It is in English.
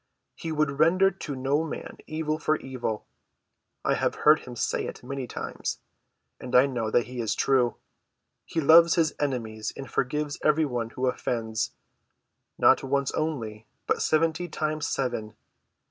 "He would render to no man evil for evil. I have heard him say it many times, and I know that he is true. He loves his enemies and forgives every one who offends—not once only, but seventy times seven.